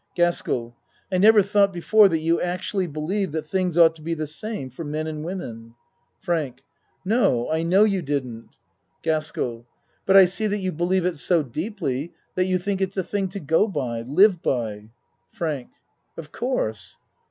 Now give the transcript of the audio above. GASKELL I never thought before that you act ually believed that things ought to be the same for men and women. FRANK No, I know you didn't. ACT III 99 GASKELL But I see that you believe it so deeply that you think it's a thing to go by live by. FRANK Of course.